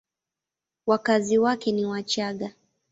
Wakazi wake ni Wachagga.